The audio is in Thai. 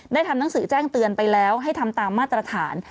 ทำหนังสือแจ้งเตือนไปแล้วให้ทำตามมาตรฐาน